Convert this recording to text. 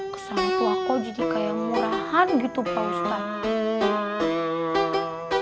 kesana tuh aku jadi kayak murahan gitu pak ustadz